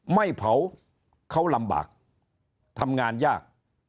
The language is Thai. ไม่เผาเขาลำบากทำงานยาก